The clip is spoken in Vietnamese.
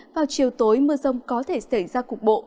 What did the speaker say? vào chiều tối mưa rông có thể xảy ra cục bộ